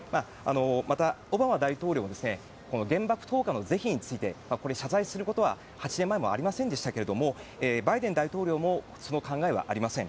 また、オバマ大統領も原爆投下の是非についてこれ、謝罪することは８年前もありませんでしたがバイデン大統領もその考えはありません。